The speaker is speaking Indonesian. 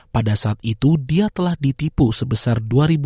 pada saat itu dia telah ditipu sebesar dua tujuh ratus delapan puluh